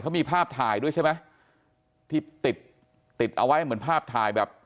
เขามีภาพถ่ายด้วยใช่ไหมที่ติดติดเอาไว้เหมือนภาพถ่ายแบบ